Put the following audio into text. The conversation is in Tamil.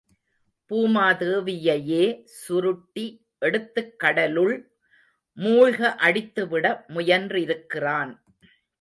பூமாதேவியையே சுருட்டி எடுத்துக் கடலுள் மூழ்க அடித்து விட முயன்றிருக்கிறான்.